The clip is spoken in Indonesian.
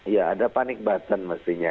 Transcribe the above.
ya ada panik batan mestinya